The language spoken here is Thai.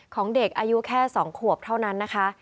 ของเด็กอายุแค่๒ขวบเท่านั้นนะคะ